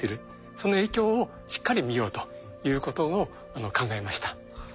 その影響をしっかり見ようということを考えました。